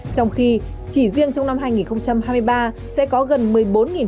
trong khi chỉ riêng trong năm hai nghìn hai mươi ba sẽ có gần một mươi bốn